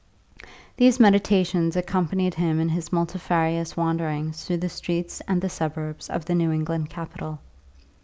These meditations accompanied him in his multifarious wanderings through the streets and the suburbs of the New England capital.